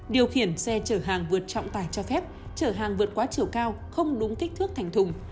điều khiển xe chở hàng vượt trọng tải cho phép chở hàng vượt quá chiều cao không đúng kích thước thành thùng